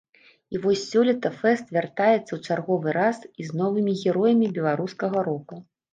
І вось сёлета фэст вяртаецца ў чарговы раз і з новымі героямі беларускага рока.